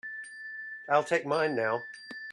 I'll take mine now.